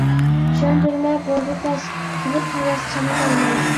چۈشەندۈرمە بولدى بەس قىلىپ ھەۋەس چانىمايمەن.